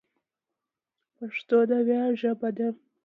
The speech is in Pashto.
پښتو د ویاړ ژبه ده.